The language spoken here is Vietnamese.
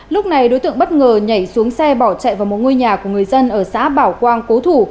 lúc này đối tượng bất ngờ nhảy xuống xe bỏ chạy vào một ngôi nhà của người dân ở xã bảo quang cố thủ